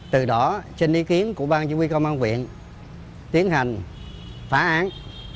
từ đó trên ý kiến của bang chỉ huy công an huyện tiến hành phá án